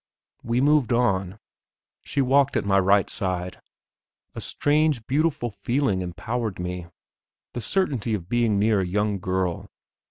We moved on; she walked at my right side. A strange, beautiful feeling empowered me; the certainty of being near a young girl.